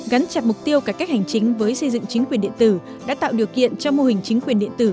gắn chặt mục tiêu cải cách hành chính với xây dựng chính quyền điện tử đã tạo điều kiện cho mô hình chính quyền điện tử